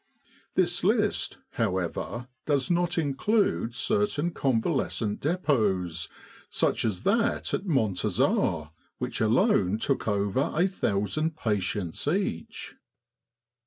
This list, however, does not include certain Convalescent Depots, such as that at Montazah, which alone took over a thousand patients each.